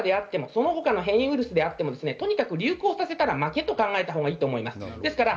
オミクロンであっても、デルタであっても、その他の変異ウイルスであっても、とにかく流行させたら負けと考えたほうがいいと思います。